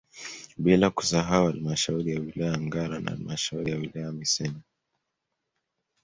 Bila kusahau halmashauri ya wilaya ya Ngara na halmashauri ya wilaya ya Misenyi